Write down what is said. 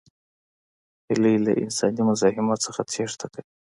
هیلۍ له انساني مزاحمت څخه تېښته کوي